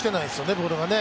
ボールがね